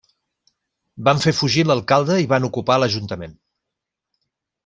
Van fer fugir l'alcalde i van ocupar l'ajuntament.